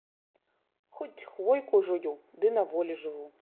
Хоць хвойку жую, ды на волі жыву